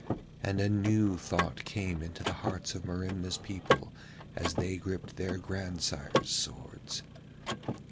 And a new thought came into the hearts of Merimna's people as they gripped their grandsires' swords.